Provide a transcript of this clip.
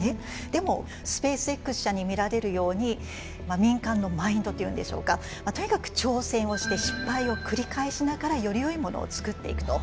でもスペースＸ社に見られるように民間のマインドというんでしょうかとにかく挑戦をして失敗を繰り返しながらよりよいものを作っていくと。